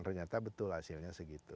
ternyata betul hasilnya segitu